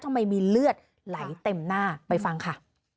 ทำไมมีเลือดไหลเต็มหน้าไปฟังค่ะ